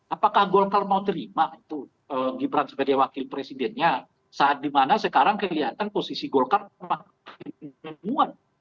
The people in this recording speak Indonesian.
apakah golkar mau terima itu gibran sebagai wakil presidennya saat dimana sekarang kelihatan posisi golkar makin kuat